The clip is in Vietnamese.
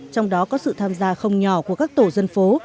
trong đó có sự tham gia không nhỏ của các tổ dân phố